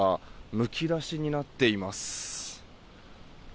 むき出しになっています。